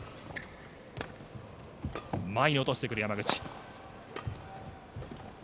前に落としてくる、山口。